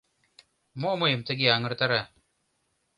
Мо мыйым тыге аҥыртара?